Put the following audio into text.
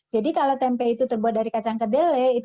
jadi kalau tempe itu terbuat dari kacang kedelai